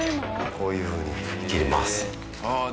こういうふうに切れます。